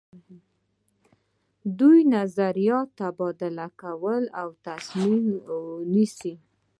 دوی نظریات تبادله کوي او تصمیم نیسي.